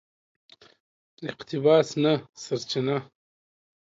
اقتباس نه سرچینه